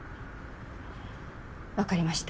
わかりました。